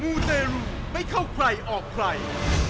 ูเตรุไม่เข้าใครออกใคร